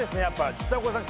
ちさ子さん